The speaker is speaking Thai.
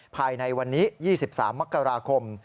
ภายในวันนี้๒๓มกราคม